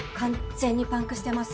全にパンクしてます。